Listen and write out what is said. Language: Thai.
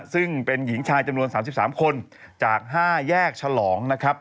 ซึ่งเป็นหญิงชายจำนวน๓๓คนจาก๕แยกฉลองนะครับ